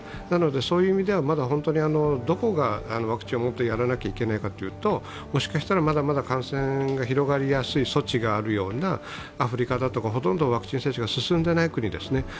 そういう意味では本当にどこがワクチンをもっとやらなければいけないかというともしかしたら、まだまだ感染が広がりやすい余地がありそうなアフリカとか、ほとんどワクチン接種が進んでない国ですね。